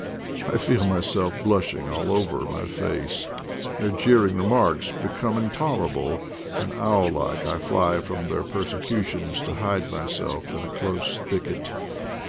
I feel myself blushing all over my face; their jeering remarks become intoler able, and, owl like, I fly from their persecutions to hide myself in a close thicket.